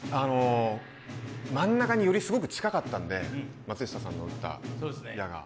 真ん中にすごく近かったので、松下さんの撃った矢が。